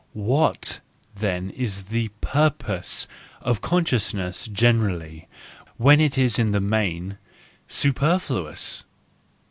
What then is the purpose of conscious¬ ness generally, when it is in the main superfluous